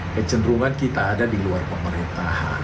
kecenderungan kita ada di luar pemerintahan